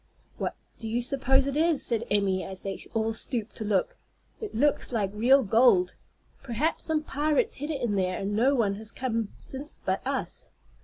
"What do you suppose it is?" said Emmy, as they all stooped to look. "It looks like real gold. Perhaps some pirates hid it there, and no one has come since but us."